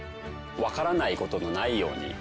わからない事のないように。